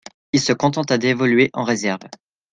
Il se contenta d'évoluer en réserve.